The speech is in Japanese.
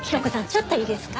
ちょっといいですか？